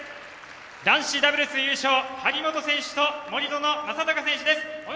男子ダブルス優勝張本選手と森薗政崇選手です。